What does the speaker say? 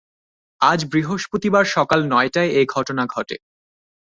আজ বৃহস্পতিবার সকাল নয়টায় এ ঘটনা ঘটে।